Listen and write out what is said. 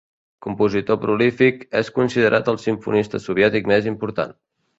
Compositor prolífic, és considerat el simfonista soviètic més important.